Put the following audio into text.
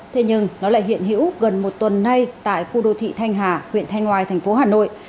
thế nhưng nó lại hiện hữu gần một tuần nay tại khu đô thị thanh hà huyện thanh ngoài thành phố hà nội